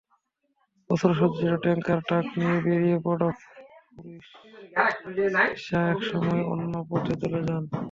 অস্ত্রসজ্জিত tanker truck নিয়ে বেরিয়ে পড়া ফুরিওসা একসময় অন্য পথে চলে যান।